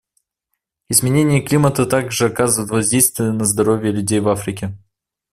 Изменение климата также оказывает воздействие на здоровье людей в Африке.